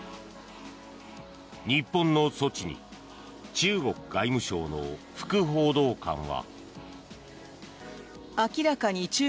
日本の措置に中国外務省の副報道官は。